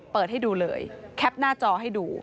เปิดให้ดูเลยแคปหน้าจอให้ดู